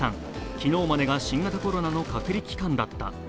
昨日までが新型コロナの隔離期間だった。